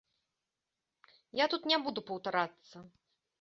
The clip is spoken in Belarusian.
Я тут не буду паўтарацца.